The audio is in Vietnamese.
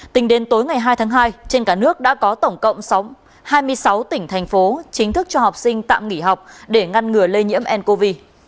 tính đến tối ngày hai tháng hai trên cả nước đã có tổng cộng hai mươi sáu tỉnh thành phố chính thức cho học sinh tạm nghỉ học để ngăn ngừa lây nhiễm ncov